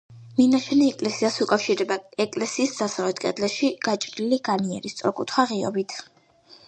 მინაშენი ეკლესიას უკავშირდება ეკლესიის დასავლეთ კედელში გაჭრილი განიერი სწორკუთხა ღიობით.